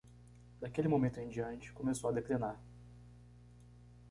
Daquele momento em diante, começou a declinar.